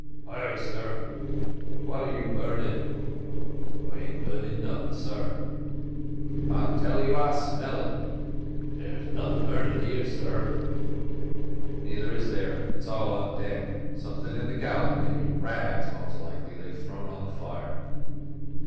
"Ay, ay, sir." "What are you burning?" "I an't burnin' northen, sir." "Tell you, I smell it!" "There's northen burnin' here, sir." "Neither is there, it's all on deck. Something in the galley, maybe—rags, most likely, they've thrown on the fire."